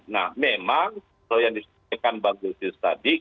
nah memang kalau yang disampaikan bang lusius tadi